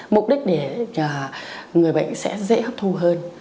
mục đích để người bệnh sẽ dễ hấp thu hơn